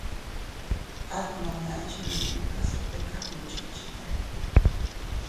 At nome a chinninuta se tika gnuchickchita.